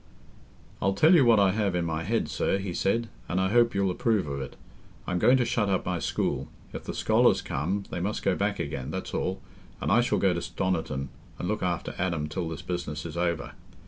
"I'll tell you what I have in my head, sir," he said, "and I hope you'll approve of it. I'm going to shut up my school—if the scholars come, they must go back again, that's all—and I shall go to Stoniton and look after Adam till this business is over.